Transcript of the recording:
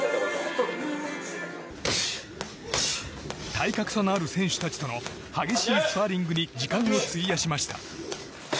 体格差のある選手たちとの激しいスパーリングに時間を費やしました。